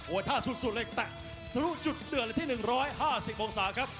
ท่าสุดเลยแตะทะลุจุดเดือดเลยที่๑๕๐องศาครับ